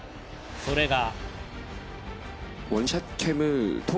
それが。